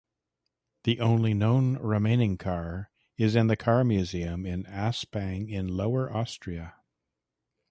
The only known remaining car is in the car museum in Aspang in Lower-Austria.